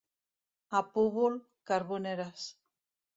A Púbol, carboneres.